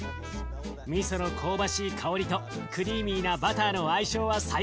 みその香ばしい香りとクリーミーなバターの相性は最高。